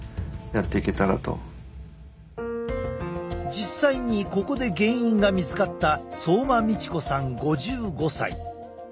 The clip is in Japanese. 実際にここで原因が見つかった相馬美智子さん５５歳。